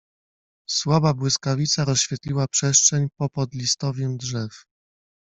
Słaba błyskawica rozświetliła przestrzeń popod listowiem drzew.